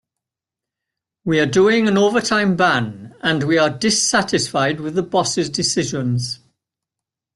We are doing an overtime ban as we are dissatisfied with the boss' decisions.